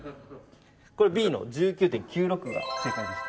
これＢの１９．９６が正解です。